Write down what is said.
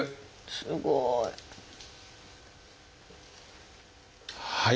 すごい。